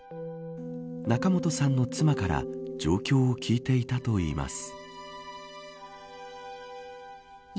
仲本さんの妻から状況を聞いていたといいます。